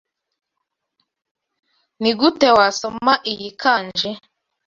Nigute wasoma iyi kanji?